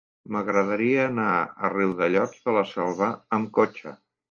M'agradaria anar a Riudellots de la Selva amb cotxe.